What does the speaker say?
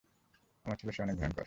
আমার ছেলে সে অনেক ভয়ংকর।